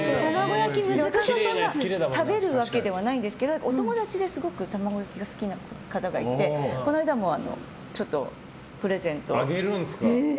そんなに食べるわけではないんですけどお友達ですごく卵焼きが好きな方がいてこの間もちょっとプレゼントして。